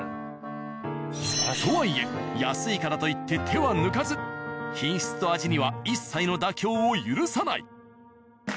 とはいえ安いからといって手は抜かず品質と味には一切の妥協を許さない。